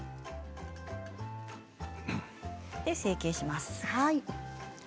成形します。